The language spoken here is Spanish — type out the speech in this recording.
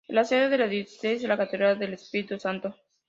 La sede de la diócesis es la catedral del Espíritu Santo.